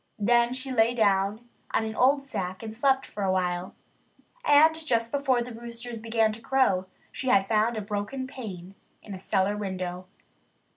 Then she lay down on an old sack and slept for a while. And just before the roosters began to crow she had found a broken pane in a cellar window.